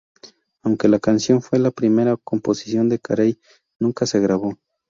Aunque la canción fue la primera composición de Carey, nunca se grabó.